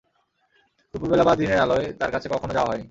দুপুরবেলা বা দিনের আলোয় তাঁর কাছে কখনো যাওয়া হয় নি।